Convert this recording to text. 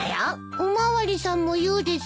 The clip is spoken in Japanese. お巡りさんも言うですか？